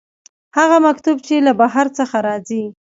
هغه مکتوب چې له بهر څخه راځي.